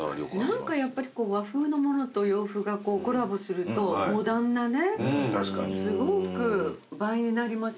何かやっぱりこう和風のものと洋風がコラボするとモダンなねすごく映えになりますよね。